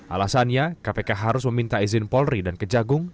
alasannya kpk harus meminta izin polri dan kejagung